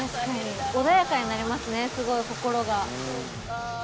穏やかになりますね、すごい、心が。